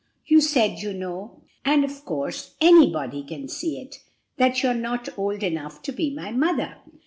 you said, you know, and of course anybody can see it, that you're not old enough to be my mother."